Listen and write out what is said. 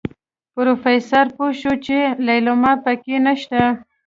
پروفيسر پوه شو چې ليلما پکې نشته.